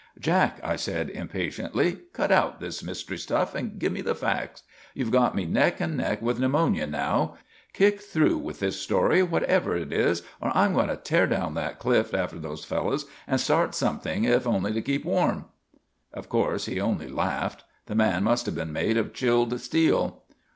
"Jack," I said impatiently, "cut out this mystery stuff and give me the facts. You've got me neck and neck with pneumonia now. Kick through with this story, whatever it is, or I'm going to tear down that cliff after those fellows and start something if only to keep warm." Of course he only laughed. The man must have been made of chilled steel.